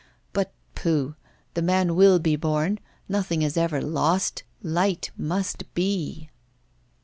But pooh! the man will be born; nothing is ever lost, light must be.